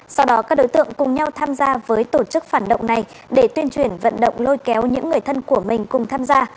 sau đó các đối tượng cùng nhau tham gia với tổ chức phản động này để tuyên truyền vận động lôi kéo những người thân của mình cùng tham gia